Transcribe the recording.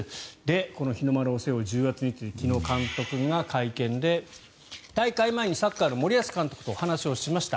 この日の丸を背負う重圧について昨日、監督が会見で大会前にサッカーの森保監督とお話しました。